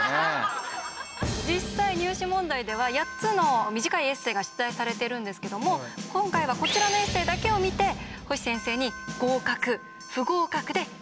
実際入試問題では８つの短いエッセーが出題されているんですけども今回はこちらのエッセーだけを見て星先生に合格不合格で決めてもらいました。